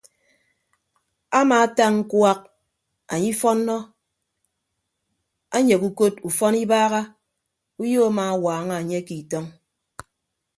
Amaata ñkuak anye ifọnnọ anyeghe ukod ufọn ibagha uyo amaawaaña anye ke itọñ.